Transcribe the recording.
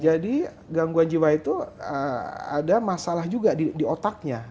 jadi gangguan jiwa itu ada masalah juga di otaknya